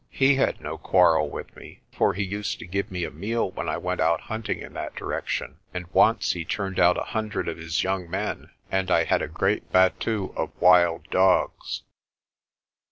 He had no quarrel with me, for he used to give me a meal when I went out hunting in that direction; and once he turned out a hundred of his young men, and I had a great battue of wild dogs.